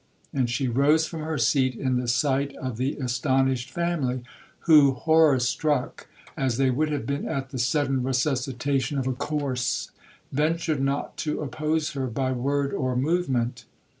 and she rose from her seat in the sight of the astonished family, who, horror struck, as they would have been at the sudden resuscitation of a corse, ventured not to oppose her by word or movement.